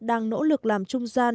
đang nỗ lực làm trung gian